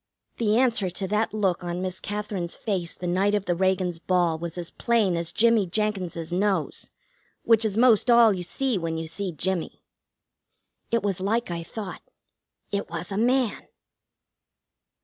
The answer to that look on Miss Katherine's face the night of the Reagans' ball was as plain as Jimmie Jenkins's nose, which is most all you see when you see Jimmie. It was like I thought. It was a man.